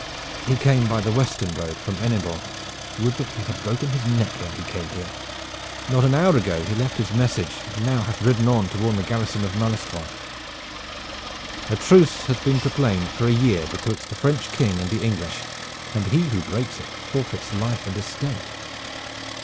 "He came by the western road from Hennebon. Would that he had broken his neck ere he came here. Not an hour ago he left his message and now hath ridden on to warn the garrison of Malestroit. A truce has been proclaimed for a year betwixt the French King and the English, and he who breaks it forfeits life and estate."